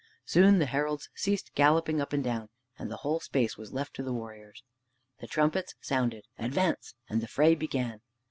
Soon the heralds ceased galloping up and down, and the whole space was left to the warriors. The trumpets sounded "Advance," and the fray began.